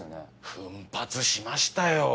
奮発しましたよ。